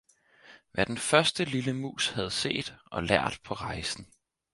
Hvad den første lille Muus havde seet og lært paa Reisen.